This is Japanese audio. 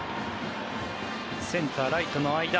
センター、ライトの間。